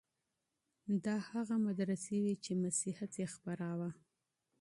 دا هغه مدرسې وې چي مسيحيت يې خپراوه.